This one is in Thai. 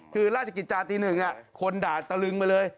คือราชกิจจาตี๑คนด่าตะลึงมาเลย